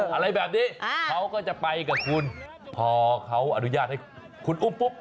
อะไรแบบนี้เขาก็จะไปกับคุณพอเขาอนุญาตให้คุณอุ้มปุ๊บ